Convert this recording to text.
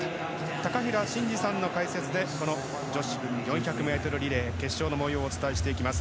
高平慎士さんの解説で女子４００ｍリレー決勝の模様をお伝えしていきます。